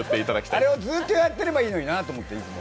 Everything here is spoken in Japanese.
あれをずっとやってればいいのになと思ってる。